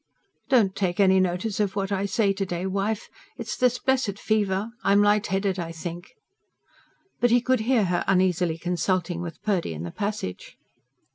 "Don't take any notice of what I say to day, wife. It's this blessed fever.... I'm light headed, I think." But he could hear her uneasily consulting with Purdy in the passage.